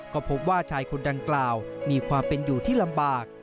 ก็พบว่าชายคนดังกล่าวมีความเป็นอยู่ที่ลำบาก